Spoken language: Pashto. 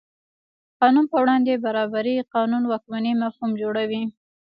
د قانون په وړاندې برابري قانون واکمنۍ مفهوم جوړوي.